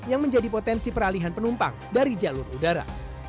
yang menjadi potensi peralihan penumpang dari jalur udara